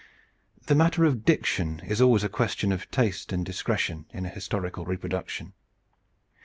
The matter of diction is always a question of taste and discretion in a historical reproduction.